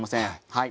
はい。